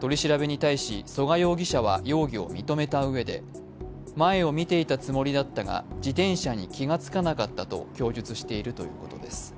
取り調べに対し曽我容疑者は容疑を認めたうえで、前を見ていたつもりだったが自転車に気がつかなかったと供述しているということです。